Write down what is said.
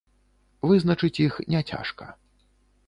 Вызначыць іх не цяжка.